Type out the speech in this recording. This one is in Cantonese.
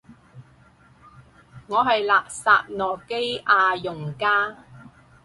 我係垃圾諾基亞用家